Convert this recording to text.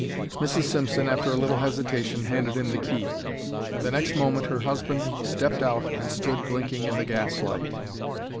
Mrs. Simpson, after a little hesitation, handed him the key, and the next moment her husband stepped out and stood blinking in the gas light.